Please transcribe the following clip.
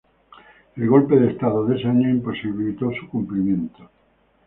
El golpe de estado de ese año imposibilitó su cumplimiento.